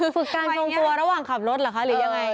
คือการทรงตัวระหว่างขับรถหรือยังไง